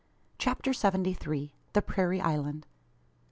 CHAPTER SEVENTY THREE. THE PRAIRIE ISLAND.